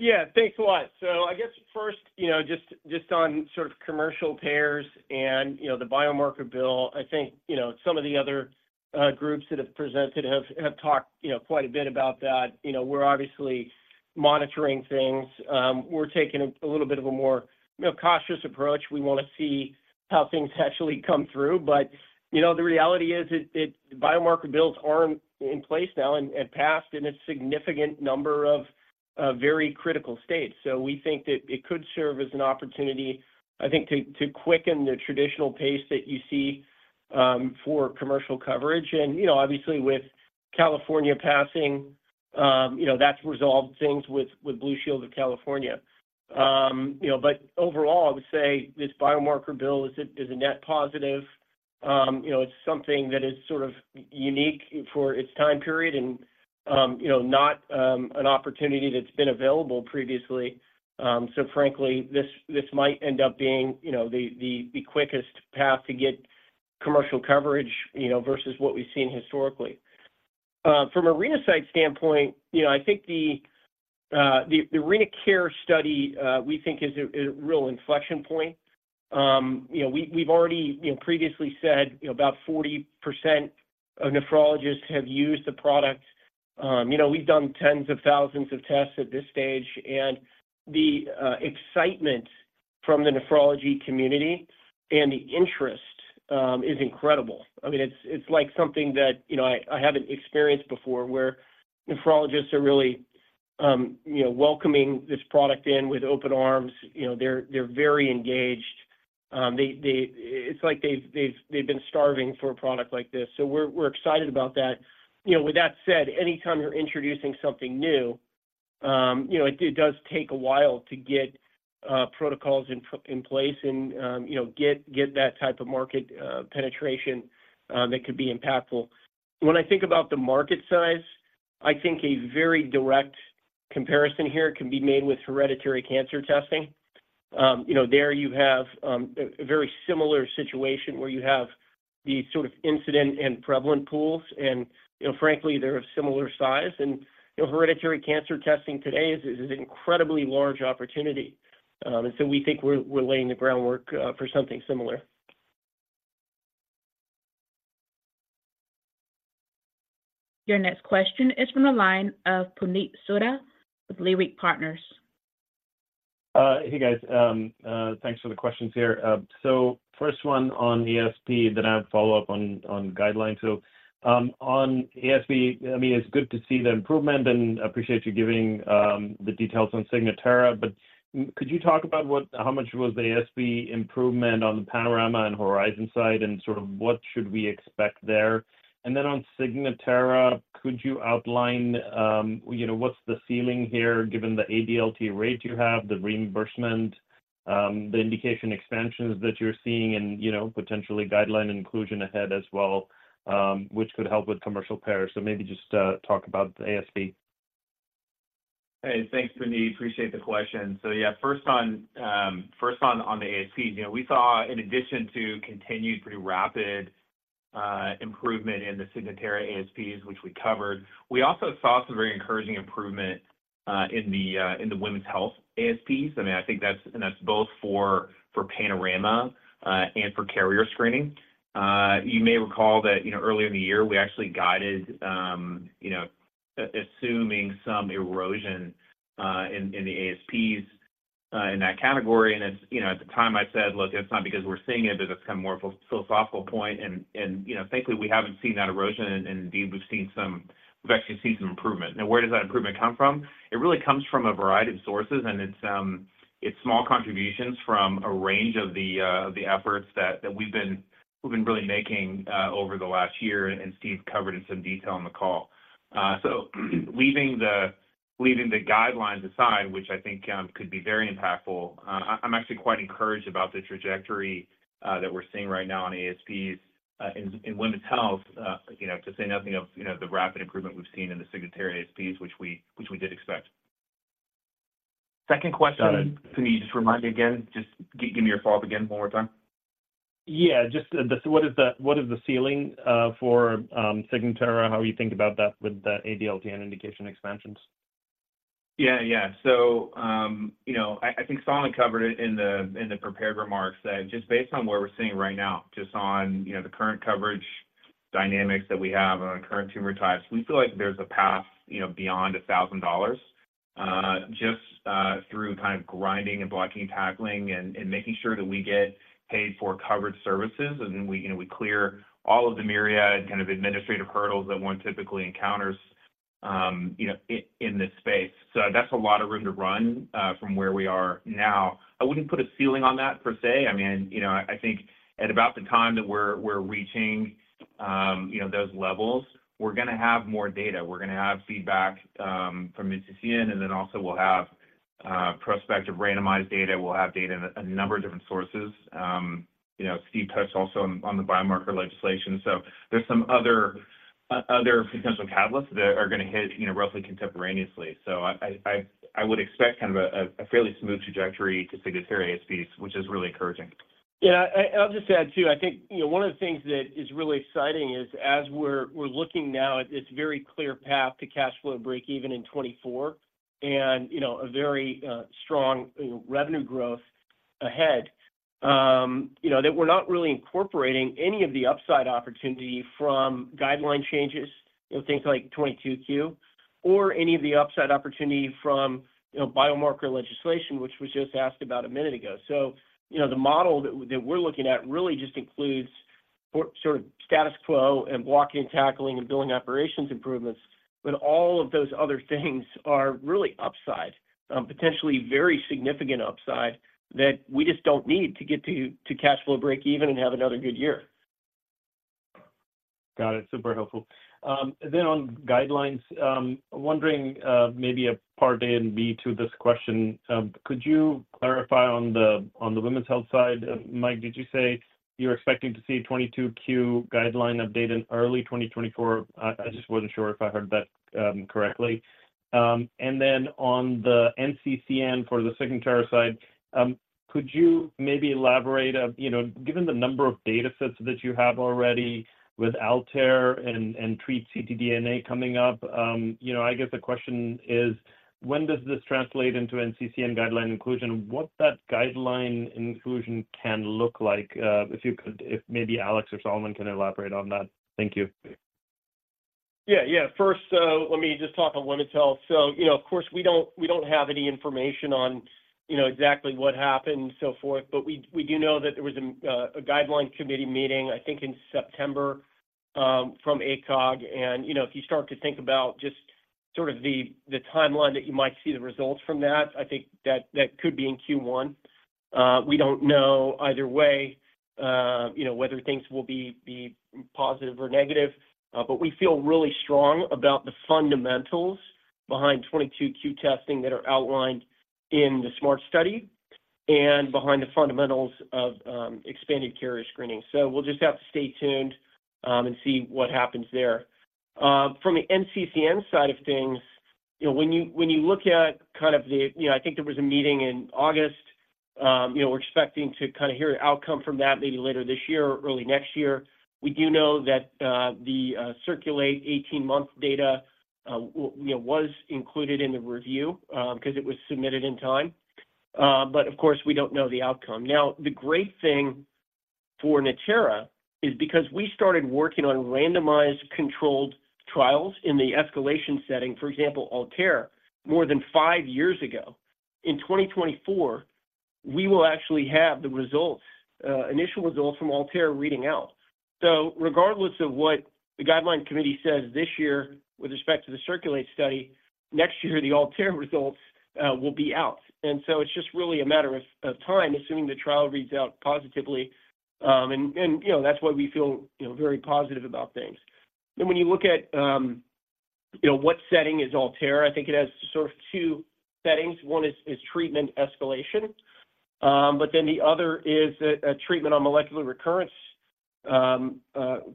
Speaker 3: Yeah, thanks a lot. So I guess first, you know, just on sort of commercial payers and, you know, the biomarker bill, I think, you know, some of the other groups that have presented have talked, you know, quite a bit about that. You know, we're obviously monitoring things. We're taking a little bit of a more, you know, cautious approach. We want to see how things actually come through. But, you know, the reality is biomarker bills are in place now and passed in a significant number of very critical states. So we think that it could serve as an opportunity, I think, to quicken the traditional pace that you see for commercial coverage. And, you know, obviously, with California passing, you know, that's resolved things with Blue Shield of California. You know, but overall, I would say this biomarker bill is a net positive. You know, it's something that is sort of unique for its time period and, you know, not an opportunity that's been available previously. So frankly, this might end up being, you know, the quickest path to get commercial coverage, you know, versus what we've seen historically. From a Renasight standpoint, you know, I think the RenaCare study we think is a real inflection point. You know, we, we've already, you know, previously said, you know, about 40% of nephrologists have used the product. You know, we've done tens of thousands of tests at this stage, and the excitement from the nephrology community and the interest is incredible. I mean, it's, it's like something that, you know, I, I haven't experienced before, where nephrologists are really, you know, welcoming this product in with open arms. You know, they're, they're very engaged. They... It's like they've, they've been starving for a product like this, so we're excited about that. You know, with that said, anytime you're introducing something new, you know, it does take a while to get protocols in place and, you know, get that type of market penetration that could be impactful. When I think about the market size, I think a very direct comparison here can be made with hereditary cancer testing. You know, there you have a very similar situation, where you have the sort of incident and prevalent pools and, you know, frankly, they're of similar size. And, you know, hereditary cancer testing today is an incredibly large opportunity. And so we think we're laying the groundwork for something similar.
Speaker 1: Your next question is from the line of Puneet Souda with Leerink Partners.
Speaker 7: Hey, guys. Thanks for the questions here. So first one on ASP, then I have a follow-up on guidelines. So, on ASP, I mean, it's good to see the improvement and appreciate you giving the details on Signatera. But could you talk about how much was the ASP improvement on the Panorama and Horizon side, and sort of what should we expect there? And then on Signatera, could you outline, you know, what's the ceiling here, given the ADLT rate you have, the reimbursement, the indication expansions that you're seeing and, you know, potentially guideline inclusion ahead as well, which could help with commercial payers? So maybe just talk about the ASP.
Speaker 2: Hey, thanks, Puneet. Appreciate the question. So yeah, first on the ASPs. You know, we saw in addition to continued pretty rapid improvement in the Signatera ASPs, which we covered, we also saw some very encouraging improvement in the women's health ASPs. I mean, I think that's... And that's both for Panorama and for carrier screening. You may recall that, you know, earlier in the year, we actually guided, you know, assuming some erosion in the ASPs in that category. And it's, you know, at the time I said, "Look, it's not because we're seeing it, but it's kind of more philosophical point." And, you know, thankfully, we haven't seen that erosion, and indeed, we've actually seen some improvement. Now, where does that improvement come from? It really comes from a variety of sources, and it's small contributions from a range of the efforts that we've been really making over the last year, and Steve covered in some detail on the call. So leaving the-... leaving the guidelines aside, which I think could be very impactful, I'm actually quite encouraged about the trajectory that we're seeing right now on ASPs in women's health. You know, to say nothing of, you know, the rapid improvement we've seen in the Signatera ASPs, which we did expect. Second question-
Speaker 7: Got it.
Speaker 2: Can you just remind me again? Just give me your thought again one more time.
Speaker 7: Yeah, just the, what is the, what is the ceiling, for, Signatera? How are you thinking about that with the ADLT and indication expansions?
Speaker 2: Yeah, yeah. So, you know, I think Solomon covered it in the prepared remarks, that just based on where we're sitting right now, just on, you know, the current coverage dynamics that we have on current tumor types, we feel like there's a path, you know, beyond $1,000, just through kind of grinding and blocking and tackling and making sure that we get paid for covered services, and then we, you know, we clear all of the myriad kind of administrative hurdles that one typically encounters, you know, in this space. So that's a lot of room to run, from where we are now. I wouldn't put a ceiling on that per se. I mean, you know, I think at about the time that we're reaching, you know, those levels, we're gonna have more data. We're gonna have feedback from NCCN, and then also we'll have prospective randomized data. We'll have data in a number of different sources. You know, Steve touched also on the biomarker legislation. So there's some other potential catalysts that are gonna hit, you know, roughly contemporaneously. So I would expect kind of a fairly smooth trajectory to Signatera ASPs, which is really encouraging.
Speaker 3: Yeah. I'll just add, too, I think, you know, one of the things that is really exciting is, as we're looking now at this very clear path to cash flow break-even in 2024, and, you know, a very strong revenue growth ahead, you know, that we're not really incorporating any of the upside opportunity from guideline changes, you know, things like 22q, or any of the upside opportunity from, you know, biomarker legislation, which was just asked about a minute ago. So, you know, the model that we're looking at really just includes for sort of status quo and blocking and tackling and billing operations improvements, but all of those other things are really upside, potentially very significant upside, that we just don't need to get to cash flow break even and have another good year.
Speaker 7: Got it. Super helpful. Then on guidelines, wondering, maybe a part A and B to this question, could you clarify on the, on the women's health side, Mike, did you say you're expecting to see 22q guideline update in early 2024? I just wasn't sure if I heard that correctly. And then on the NCCN for the Signatera side, could you maybe elaborate of, you know, given the number of datasets that you have already with ALTAIR and, and TREAT-ctDNA coming up, you know, I guess the question is, when does this translate into NCCN guideline inclusion? What that guideline inclusion can look like, if you could- if maybe Alex or Solomon can elaborate on that? Thank you.
Speaker 3: Yeah, yeah. First, let me just talk on women's health. So, you know, of course, we don't, we don't have any information on, you know, exactly what happened and so forth, but we, we do know that there was a guideline committee meeting, I think in September, from ACOG. You know, if you start to think about just sort of the, the timeline that you might see the results from that, I think that that could be in Q1. We don't know either way, you know, whether things will be, be positive or negative, but we feel really strong about the fundamentals behind 22q testing that are outlined in the SMART study and behind the fundamentals of expanded carrier screening. So we'll just have to stay tuned and see what happens there. From the NCCN side of things, you know, when you, when you look at kind of the... You know, I think there was a meeting in August. You know, we're expecting to kind of hear an outcome from that maybe later this year or early next year. We do know that, the, CIRCULATE 18-month data, you know, was included in the review, because it was submitted in time. But of course, we don't know the outcome. Now, the great thing for Natera is because we started working on randomized controlled trials in the escalation setting, for example, ALTAIR, more than five years ago. In 2024, we will actually have the results, initial results from ALTAIR reading out. So regardless of what the guideline committee says this year with respect to the CIRCULATE study, next year, the ALTAIR results will be out. And so it's just really a matter of time, assuming the trial reads out positively. And you know, that's why we feel you know very positive about things. Then when you look at you know what setting is ALTAIR, I think it has sort of two settings. One is treatment escalation, but then the other is a treatment on molecular recurrence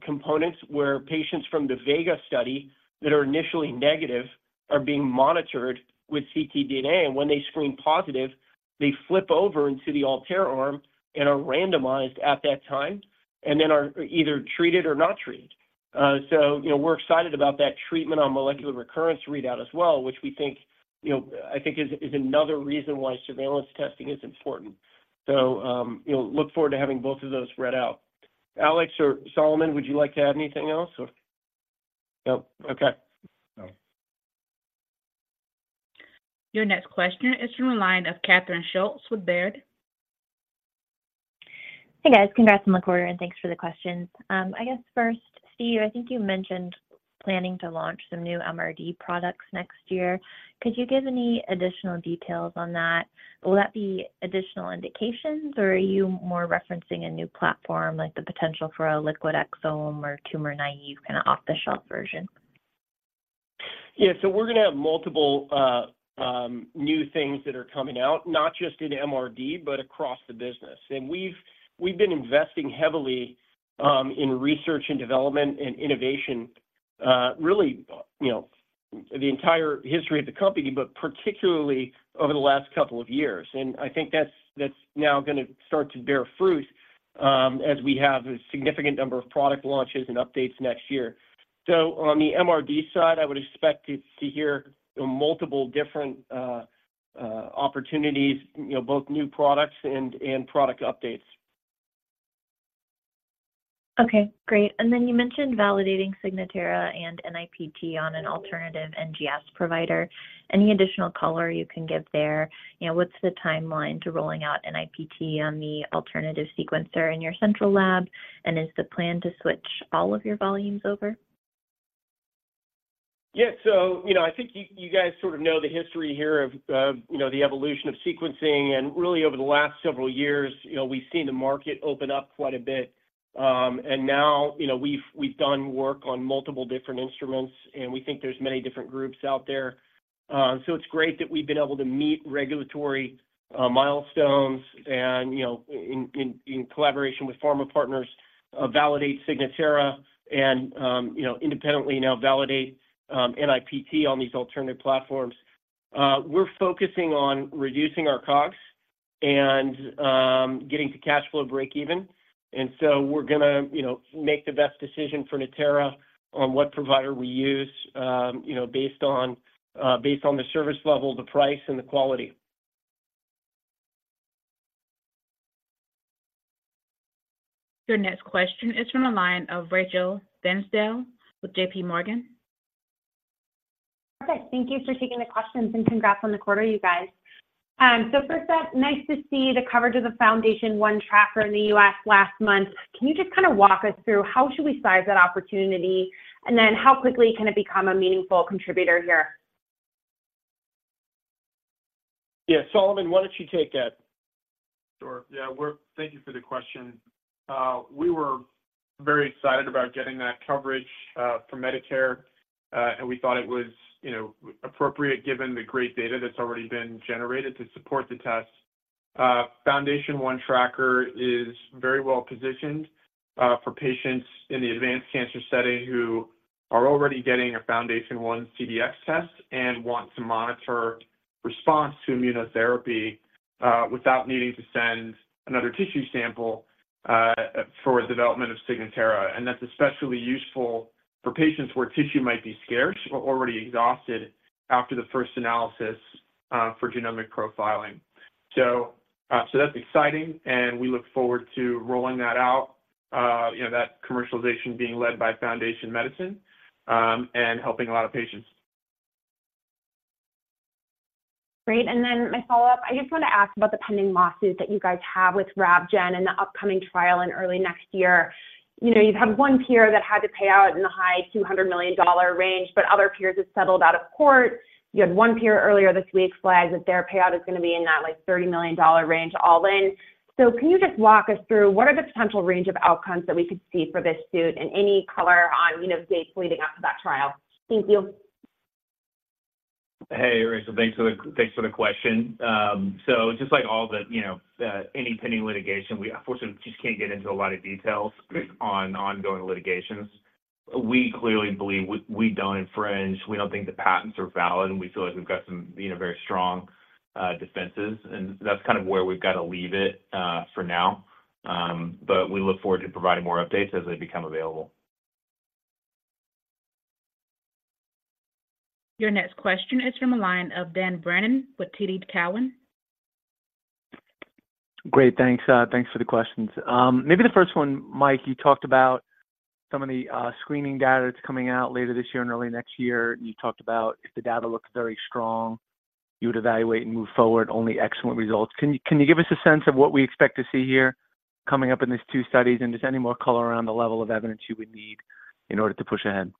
Speaker 3: components, where patients from the VEGA study that are initially negative are being monitored with ctDNA, and when they screen positive, they flip over into the ALTAIR arm and are randomized at that time, and then are either treated or not treated. So, you know, we're excited about that treatment on molecular recurrence readout as well, which we think, you know, I think is, is another reason why surveillance testing is important. So, you know, look forward to having both of those read out. Alex or Solomon, would you like to add anything else or?
Speaker 5: Nope.
Speaker 3: Okay.
Speaker 4: No.
Speaker 1: Your next question is from the line of Catherine Schulte with Baird.
Speaker 8: Hey, guys. Congrats on the quarter, and thanks for the questions. I guess first, Steve, I think you mentioned planning to launch some new MRD products next year. Could you give any additional details on that? Will that be additional indications, or are you more referencing a new platform, like the potential for a liquid exome or tumor-naive, kind of off-the-shelf version?
Speaker 3: Yeah, so we're going to have multiple new things that are coming out, not just in MRD, but across the business. And we've been investing heavily in research and development and innovation, really, you know, the entire history of the company, but particularly over the last couple of years. And I think that's now gonna start to bear fruit, as we have a significant number of product launches and updates next year. So on the MRD side, I would expect to hear multiple different opportunities, you know, both new products and product updates.
Speaker 8: Okay, great. And then you mentioned validating Signatera and NIPT on an alternative NGS provider. Any additional color you can give there? You know, what's the timeline to rolling out NIPT on the alternative sequencer in your central lab? And is the plan to switch all of your volumes over?
Speaker 3: Yeah. So, you know, I think you, you guys sort of know the history here of, you know, the evolution of sequencing, and really over the last several years, you know, we've seen the market open up quite a bit. And now, you know, we've, we've done work on multiple different instruments, and we think there's many different groups out there. So it's great that we've been able to meet regulatory milestones and, you know, in, in, in collaboration with pharma partners, validate Signatera and, you know, independently now validate, NIPT on these alternative platforms. We're focusing on reducing our costs and, getting to cash flow break even. And so we're gonna, you know, make the best decision for Natera on what provider we use, you know, based on, based on the service level, the price, and the quality.
Speaker 1: Your next question is from the line of Rachel Vatnsdal with JPMorgan.
Speaker 9: Okay. Thank you for taking the questions, and congrats on the quarter, you guys. So first up, nice to see the coverage of the FoundationOne Tracker in the U.S. last month. Can you just kind of walk us through how should we size that opportunity? And then how quickly can it become a meaningful contributor here?
Speaker 3: Yeah, Solomon, why don't you take it?
Speaker 4: Sure. Yeah. Thank you for the question. We were very excited about getting that coverage from Medicare, and we thought it was, you know, appropriate, given the great data that's already been generated to support the test. FoundationOne Tracker is very well positioned for patients in the advanced cancer setting who are already getting a FoundationOne CDx test and want to monitor response to immunotherapy without needing to send another tissue sample for development of Signatera. And that's especially useful for patients where tissue might be scarce or already exhausted after the first analysis for genomic profiling. So, so that's exciting, and we look forward to rolling that out, you know, that commercialization being led by Foundation Medicine, and helping a lot of patients.
Speaker 9: Great. And then my follow-up, I just want to ask about the pending lawsuit that you guys have with Ravgen and the upcoming trial in early next year. You know, you've had one peer that had to pay out in the high $200 million range, but other peers have settled out of court. You had one peer earlier this week flag that their payout is going to be in that, like, $30 million range, all in. So can you just walk us through what are the potential range of outcomes that we could see for this suit and any color on, you know, dates leading up to that trial? Thank you.
Speaker 2: Hey, Rachel. Thanks for the question. So just like all the, you know, any pending litigation, we unfortunately just can't get into a lot of details on ongoing litigations. We clearly believe we don't infringe, we don't think the patents are valid, and we feel like we've got some, you know, very strong defenses, and that's kind of where we've got to leave it for now. But we look forward to providing more updates as they become available.
Speaker 1: Your next question is from the line of Dan Brennan with TD Cowen.
Speaker 10: Great, thanks. Thanks for the questions. Maybe the first one, Mike, you talked about some of the screening data that's coming out later this year and early next year. You talked about if the data looks very strong, you would evaluate and move forward only excellent results. Can you give us a sense of what we expect to see here coming up in these two studies, and just any more color around the level of evidence you would need in order to push ahead?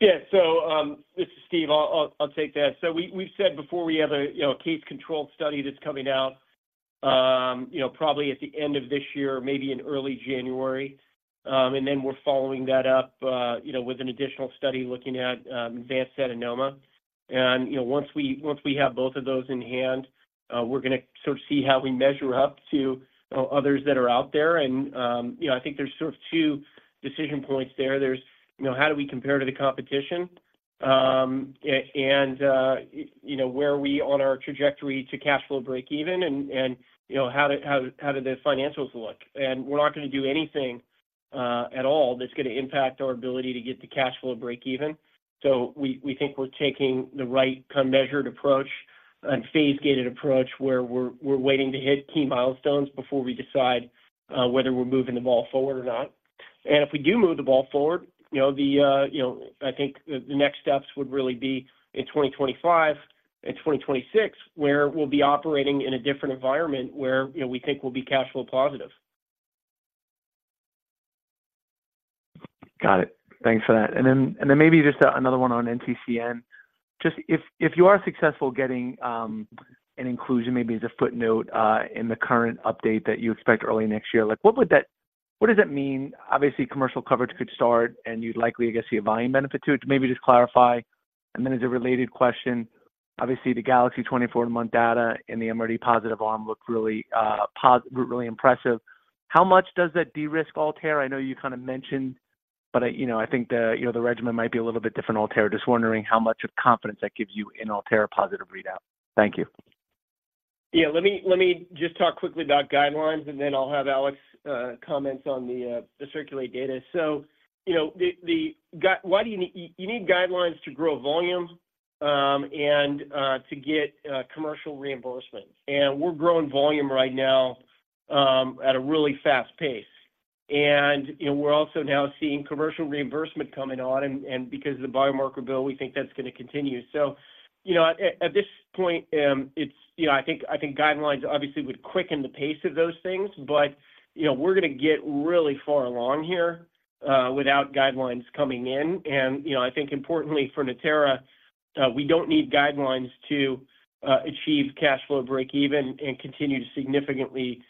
Speaker 3: Yeah. So, this is Steve. I'll take that. So we've said before we have a, you know, a case-controlled study that's coming out, you know, probably at the end of this year, maybe in early January. And then we're following that up, you know, with an additional study looking at advanced adenoma. And, you know, once we have both of those in hand, we're gonna sort of see how we measure up to others that are out there. And, you know, I think there's sort of two decision points there. There's, you know, how do we compare to the competition? And, you know, where are we on our trajectory to cash flow break even, and, you know, how do the financials look? We're not going to do anything at all that's going to impact our ability to get to cash flow break even. So we, we think we're taking the right measured approach and phase-gated approach, where we're, we're waiting to hit key milestones before we decide whether we're moving the ball forward or not. And if we do move the ball forward, you know, the, you know, I think the, the next steps would really be in 2025 and 2026, where we'll be operating in a different environment where, you know, we think we'll be cash flow positive.
Speaker 10: Got it. Thanks for that. And then maybe just another one on NCCN. Just if you are successful getting an inclusion, maybe as a footnote in the current update that you expect early next year, like, what would that mean? What does that mean? Obviously, commercial coverage could start, and you'd likely, I guess, see a volume benefit to it. Maybe just clarify. And then as a related question, obviously, the Galaxy 24-month data in the MRD positive arm looked really impressive. How much does that de-risk ALTAIR? I know you kind of mentioned, but I, you know, I think the, you know, the regimen might be a little bit different in ALTAIR. Just wondering how much of confidence that gives you in ALTAIR positive readout. Thank you.
Speaker 3: Yeah, let me, let me just talk quickly about guidelines, and then I'll have Alex comment on the CIRCULATE data. So, you know, you need guidelines to grow volume, and to get commercial reimbursement. And we're growing volume right now, at a really fast pace. And, you know, we're also now seeing commercial reimbursement coming on, and because of the biomarker bill, we think that's going to continue. So, you know, at this point, it's, you know, I think guidelines obviously would quicken the pace of those things, but, you know, we're going to get really far along here, without guidelines coming in. You know, I think importantly for Natera, we don't need guidelines to achieve cash flow break even and continue to significantly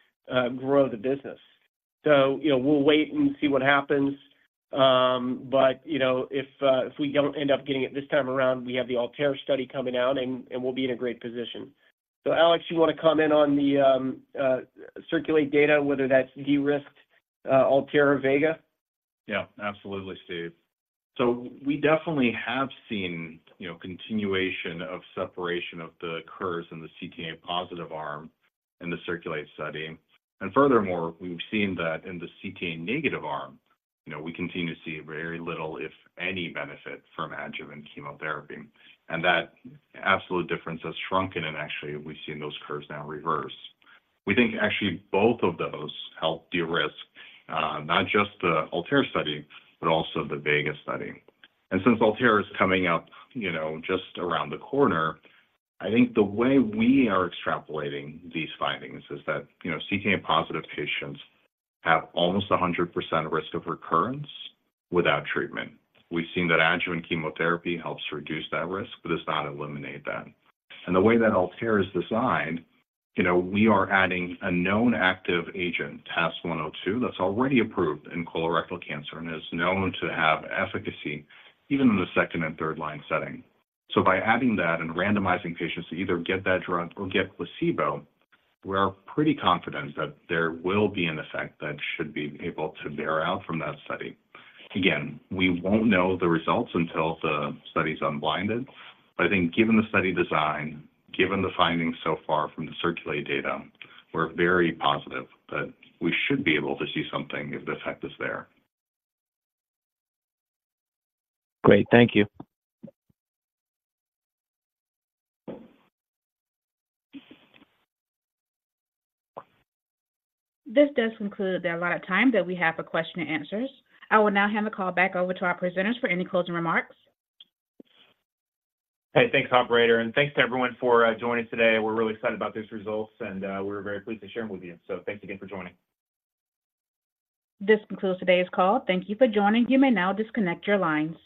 Speaker 3: grow the business. So, you know, we'll wait and see what happens. But, you know, if we don't end up getting it this time around, we have the ALTAIR study coming out, and we'll be in a great position. So Alex, you want to comment on the CIRCULATE data, whether that's de-risked ALTAIR or VEGA?
Speaker 5: Yeah, absolutely, Steve. So we definitely have seen, you know, continuation of separation of the curves in the CTA positive arm in the CIRCULATE study. And furthermore, we've seen that in the CTA negative arm, you know, we continue to see very little, if any, benefit from adjuvant chemotherapy, and that absolute difference has shrunken, and actually, we've seen those curves now reverse. We think actually both of those help de-risk, not just the ALTAIR study, but also the VEGA study. And since ALTAIR is coming up, you know, just around the corner, I think the way we are extrapolating these findings is that, you know, CTA positive patients have almost 100% risk of recurrence without treatment. We've seen that adjuvant chemotherapy helps reduce that risk, but does not eliminate that. The way that ALTAIR is designed, you know, we are adding a known active agent, TAS-102, that's already approved in colorectal cancer and is known to have efficacy even in the second and third line setting. So by adding that and randomizing patients to either get that drug or get placebo, we are pretty confident that there will be an effect that should be able to bear out from that study. Again, we won't know the results until the study is unblinded, but I think given the study design, given the findings so far from the CIRCULATE data, we're very positive that we should be able to see something if the effect is there.
Speaker 10: Great. Thank you.
Speaker 1: This does conclude the allotted time that we have for question and answers. I will now hand the call back over to our presenters for any closing remarks.
Speaker 3: Hey, thanks, operator, and thanks to everyone for joining today. We're really excited about these results, and we're very pleased to share them with you. So thanks again for joining.
Speaker 1: This concludes today's call. Thank you for joining. You may now disconnect your lines.